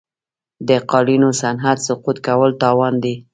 د قالینو صنعت سقوط کول تاوان دی.